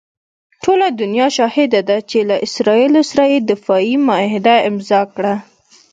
ټوله دنیا شاهده ده چې له اسراییلو سره یې دفاعي معاهده امضاء کړه.